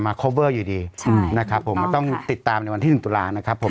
มาอยู่ดีใช่นะครับผมต้องติดตามในวันที่หนึ่งตุลานะครับผม